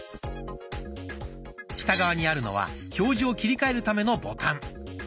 下側にあるのは表示を切り替えるためのボタン。